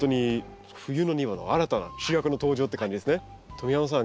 富山さん